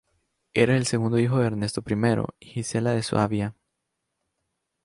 Era el segundo hijo de Ernesto I y Gisela de Suabia.